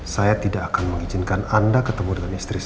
saya tidak akan mengizinkan anda ketemu dengan istri saya